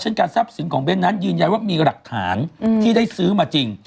การทรัพย์สินของเบ้นนั้นยืนยันว่ามีหลักฐานที่ได้ซื้อมาจริง